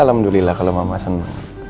alhamdulillah kalau mama senang